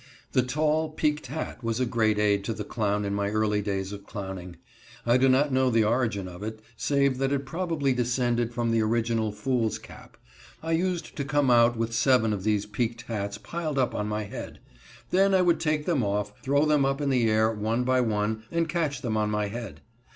The tall, peaked hat was a great aid to the clown in my early days of clowning. I do not know the origin of it, save that it probably descended from the original fool's cap. I used to come out with seven of these peaked hats piled up on my head. Then I would take them off, throw them up in the air, one by one, and catch them on my head.